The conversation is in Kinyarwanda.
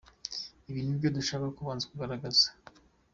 Ibi ni byo dushaka kubanza kugaragaza.